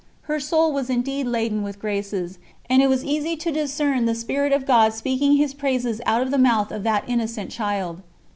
Her soul was indeed laden with graces, and it was easy to discern the Spirit of God speaking His praises out of the mouth of that innocent child.